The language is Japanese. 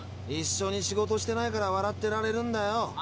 一緒に仕事してないから笑ってられるんだよ。